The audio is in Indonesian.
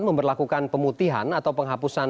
memperlakukan pemutihan atau penghapusan